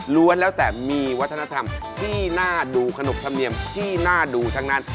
้วนแล้วแต่มีวัฒนธรรมที่น่าดูขนบธรรมเนียมที่น่าดูทั้งนั้น